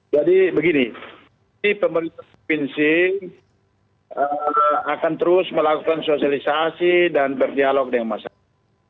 jadi begini pemerintah provinsi akan terus melakukan sosialisasi dan berdialog dengan masyarakat